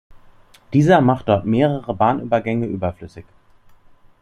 Dieser macht dort mehrere Bahnübergänge überflüssig.